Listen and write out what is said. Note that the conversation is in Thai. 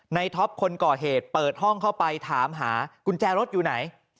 ท็อปคนก่อเหตุเปิดห้องเข้าไปถามหากุญแจรถอยู่ไหน